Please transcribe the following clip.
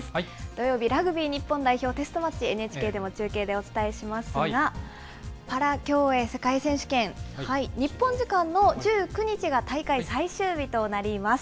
土曜日、ラグビー日本代表、テストマッチ、ＮＨＫでも中継でお伝えしますが、パラ競泳、世界選手権日本時間の１９日が大会最終日となります。